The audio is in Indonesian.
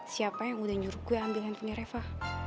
siapa yang udah nyuruh gue ambil handphonenya reva